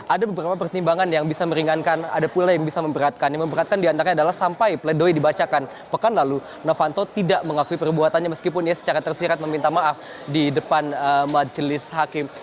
ada beberapa pertimbangan yang bisa meringankan ada pula yang bisa memberatkan yang memberatkan diantaranya adalah sampai pledoi dibacakan pekan lalu novanto tidak mengakui perbuatannya meskipun ia secara tersirat meminta maaf di depan majelis hakim